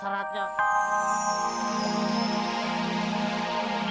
gak dangang bakal diangkat ini